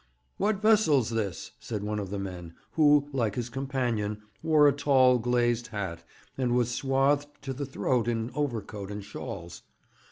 'What vessel's this?' said one of the men, who, like his companion, wore a tall, glazed hat, and was swathed to the throat in overcoat and shawls.